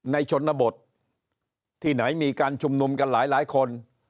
ชนบทที่ไหนมีการชุมนุมกันหลายคน